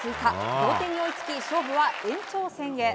同点に追いつき勝負は延長戦へ。